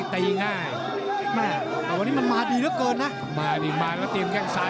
แต่วันนี้มันมาดีละเกินนะ